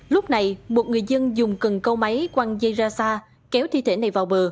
lúc này một người dân dùng cần câu máy quăng dây ra xa kéo thi thể này vào bờ